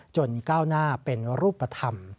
ก้าวหน้าเป็นรูปธรรม